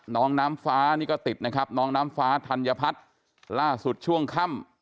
น้องน้ำฟ้านี่ก็ติดนะครับน้องน้ำฟ้าธัญพัฒน์ล่าสุดช่วงค่ำ